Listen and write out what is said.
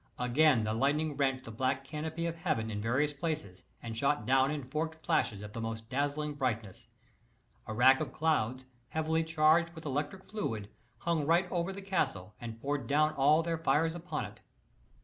Again the lightning rent the black canopy of heaven in various places, and shot down in forked flashes of the most dazzling brightness. A rack of clouds, heavily charged with electric fluid, hung right over the castle, and poured down all their fires upon it.